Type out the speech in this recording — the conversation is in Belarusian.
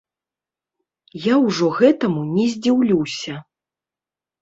Я ўжо гэтаму не здзіўлюся.